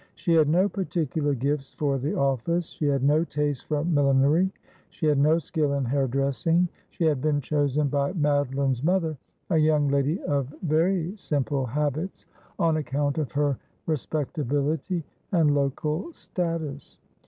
She had no particular gifts for the office. She had no taste for millinery ; she had no skill in hair dressing. She had been chosen by Madoline's mother — a young lady of very sioiple habits — on account of her respecta bility and local status.